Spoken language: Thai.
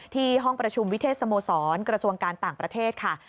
ห้องประชุมวิเทศสโมสรกระทรวงการต่างประเทศค่ะ